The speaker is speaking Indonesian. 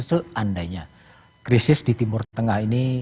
seandainya krisis di timur tengah ini